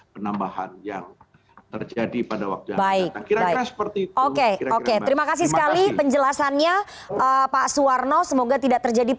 penambahan yang terjadi